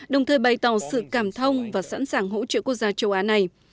đồng thời bày tỏ sự cảm thông và sẵn sàng hỗ trợ quốc gia châu á này